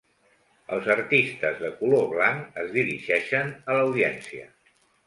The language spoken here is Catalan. Els artistes de color blanc es dirigeixen a l"audiència.